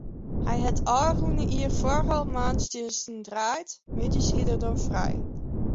Hy hat ôfrûne jier foaral moarnstsjinsten draaid, middeis hie er dan frij.